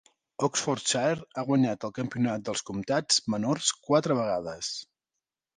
Oxfordshire ha guanyat el Campionat dels Comptats Menors quatre vegades.